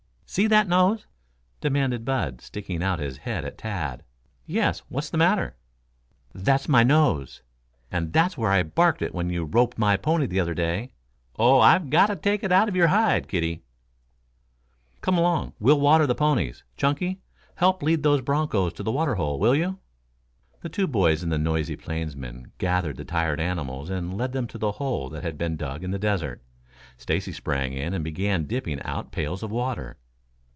"See that nose?" demanded Bud, sticking out his head at Tad. "Yes; what's the matter?" "That's my nose. And that's where I barked it when you roped my pony tother day. Oh, I've got to take it out of yer hide, kiddie." "Come along. We'll water the ponies. Chunky, help lead those bronchos to the water hole, will you?" The two boys and the noisy plainsmen gathered the tired animals and led them to the hole that had been dug in the desert. Stacy sprang in and began dipping out pails of water.